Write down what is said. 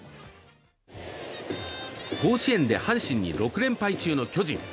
甲子園で阪神に６連敗中の巨人。